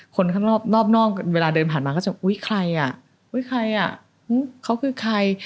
คนข้างนอบนอกเวลาเดินผ่านมาก็จะว่าอุ้ยใครอ่ะเขาคือใคร